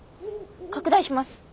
拡大します。